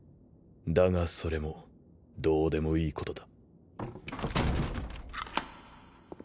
だがそれもどうでもいいことだ。